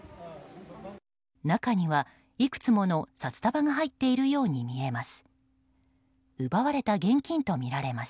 中には、いくつもの札束が入っているように見えます。